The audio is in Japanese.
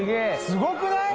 すごくない？